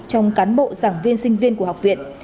trong cán bộ giảng viên sinh viên của học viện